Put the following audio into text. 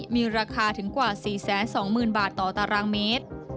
มีราคาถึงกว่า๔๒๐๐๐บาทต่อตารางเมตร